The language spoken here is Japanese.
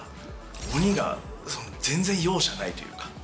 鬼が全然容赦ないというか。